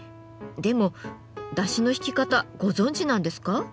でもだしのひき方ご存じなんですか？